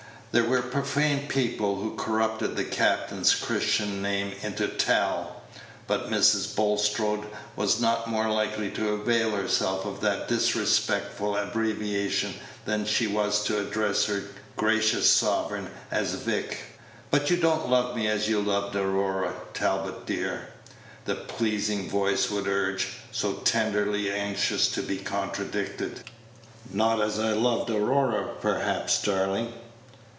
(There were profane people who corrupted the captain's Christian name into "Tal;" but Mrs. Bulstrode was not more likely to avail herself of that disrespectful abbreviation than she was to address her gracious sovereign as "Vic.") "But you don't love me as you loved Aurora, Talbot, dear?" the pleasing voice would urge, so tenderly anxious to be contradicted. "Not as I loved Aurora, perhaps, darling."